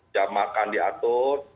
jam makan diatur